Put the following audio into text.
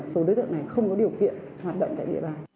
số đối tượng này không có điều kiện hoạt động tại địa bàn